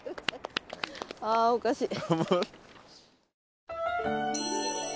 あおかしい。